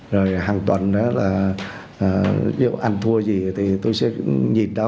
rồi hàng tuần đó là ví dụ anh thua gì thì tôi sẽ nhìn đó